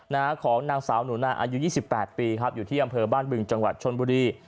ของนางสาวหนูนาอายุยี่สิบแปดปีครับอยู่ที่อำเภอบ้านบึงจังหวัดชนบุรี